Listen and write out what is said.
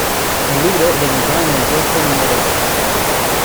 El libro debutó en el puesto No.